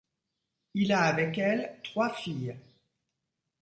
Il a avec elle trois filles.